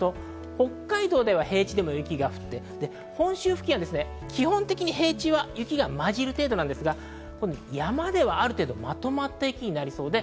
北海道では平地でも雪、本州付近は基本的に平地は雪が混じる程度なんですが山ではある程度、まとまった雪になりそうです。